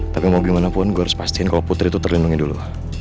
tapi mau gimana pun gue harus pastiin kalau putri itu terlindungi dulu